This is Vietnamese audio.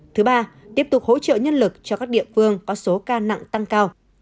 thứ ba tiếp tục hỗ trợ nhân lực cho các địa phương có số ca nặng tăng cao